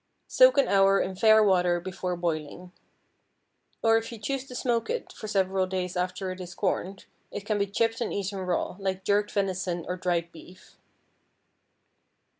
Soak an hour in fair water before boiling. Or if you choose to smoke it for several days after it is corned, it can be chipped and eaten raw, like jerked venison or dried beef.